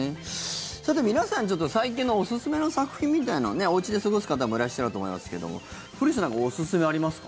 さて、皆さん、ちょっと最近のおすすめの作品みたいなのおうちで過ごす方もいらっしゃると思いますけども古市さん、何かおすすめありますか？